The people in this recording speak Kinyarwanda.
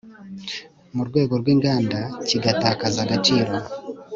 mu rwego rw inganda kigatakaza agaciro